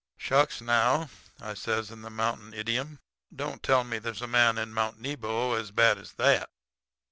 "'Shucks, now,' says I, in the mountain idiom, 'don't tell me there's a man in Mount Nebo as bad as that.'